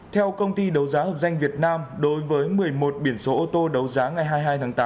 theo công ty đấu giá hợp danh việt nam đối với một mươi một biển số ô tô đấu giá ngày hai mươi hai tháng tám